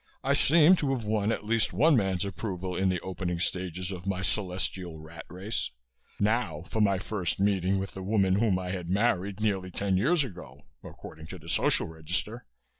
I seemed to have won at least one man's approval in the opening stages of my celestial rat race. Now for my first meeting with the woman whom I had married nearly ten years ago, according to the Social Register.